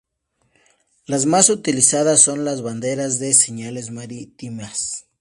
Las más utilizadas son las banderas de señales marítimas.